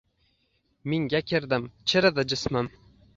Mingga kirdim, chiridi jismim